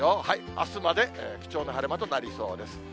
あすまで貴重な晴れ間となりそうです。